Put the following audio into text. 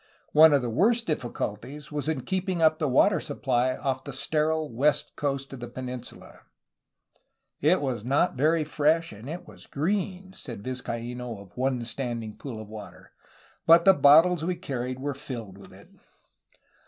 One of the worst difficulties was in keeping up the water supply off the sterile west coast of the peninsula. ^'It was not very fresh and was green, ^' said Vizcaino of one standing pool of water, ^'but the bottles we carried were fiilled with it.